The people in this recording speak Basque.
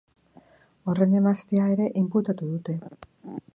Horren emaztea ere inputatu dute.